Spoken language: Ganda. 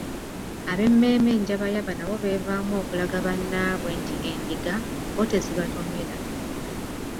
Ab'emmeeme enjababayaba nabo beevaamu okulaga bannaabwe nti endiga bo tezibatomera.